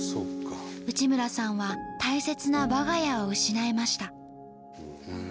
内村さんは大切な我が家を失いました。